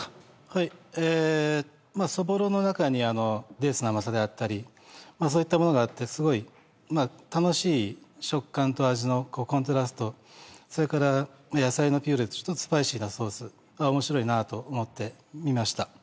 はいえぇそぼろの中にデーツの甘さであったりそういったものがあってすごい楽しい食感と味のコントラストそれから野菜のピューレとスパイシーなソースはおもしろいなと思って見ました